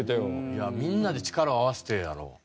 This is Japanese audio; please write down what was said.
いやみんなで力を合わせてやろ。